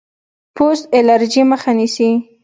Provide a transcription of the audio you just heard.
پوست الرجي مخه نیسي.